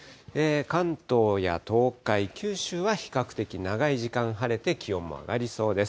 関東や東海、九州は比較的長い時間晴れて、気温も上がりそうです。